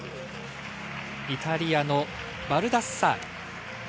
イタリアのバルダッサーリ。